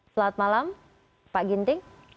selamat malam pak ginting